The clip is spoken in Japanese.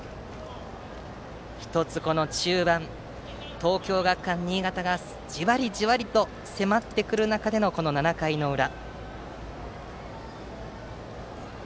１つ、この中盤に東京学館新潟がじわりじわりと迫ってくる中での７回の裏。